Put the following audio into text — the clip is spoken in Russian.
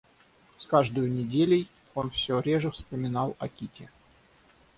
С каждою неделей он всё реже вспоминал о Кити.